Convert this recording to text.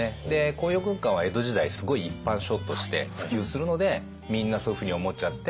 「甲陽軍鑑」は江戸時代すごい一般書として普及するのでみんなそういうふうに思っちゃって。